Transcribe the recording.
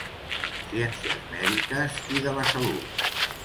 Ciències mèdiques i de la Salut.